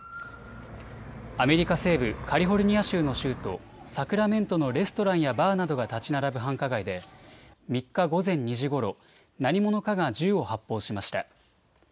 アメリカ西部、カリフォルニア州の州都、サクラメントのレストランやバーなどが建ち並ぶ繁華街で３日午前２時ごろ、何者かが銃を発砲しました。